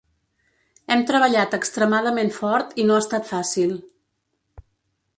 Hem treballat extremadament fort i no ha estat fàcil.